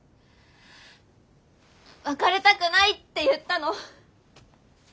「別れたくない」って言ったの。